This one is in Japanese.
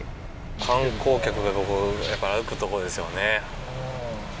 観光客がここやっぱ歩くとこですよね。